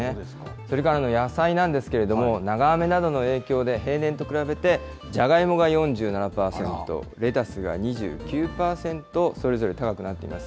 それから、野菜なんですけれども、長雨などの影響で平年と比べて、じゃがいもが４７％、レタスが２９％、それぞれ高くなっています。